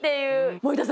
森田さん